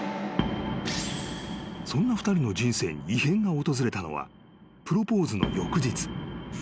［そんな２人の人生に異変が訪れたのはプロポーズの翌日］